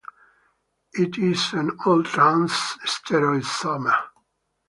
It is an all "trans" stereoisomer.